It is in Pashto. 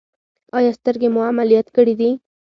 ایا سترګې مو عملیات کړي دي؟